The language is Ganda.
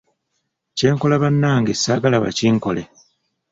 Kyenkola bannange saagala bakinkole.